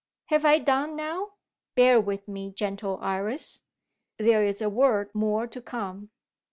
"Have I done now? Bear with me, gentle Iris there is a word more to come.